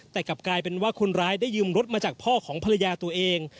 แต่กลับกลายเป็นว่าคนร้ายได้ยืมรถมาจากพ่อของภรรยาตัวเอง